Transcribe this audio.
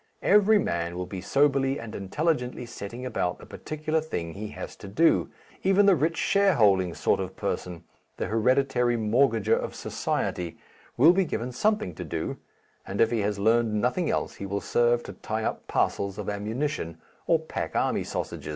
Every man will be soberly and intelligently setting about the particular thing he has to do even the rich shareholding sort of person, the hereditary mortgager of society, will be given something to do, and if he has learnt nothing else he will serve to tie up parcels of ammunition or pack army sausage.